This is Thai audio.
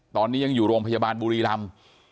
ตอนนี้ยังอยู่โรงพยาบาลบุรีรำ